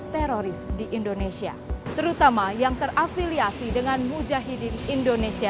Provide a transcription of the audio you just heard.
berdasarkan pancasila dan undang undang indonesia